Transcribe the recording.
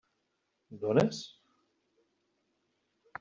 Dones?